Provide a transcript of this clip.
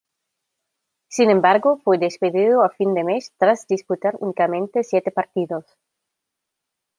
Sin embargo, fue despedido a fin de mes tras disputar únicamente siete partidos.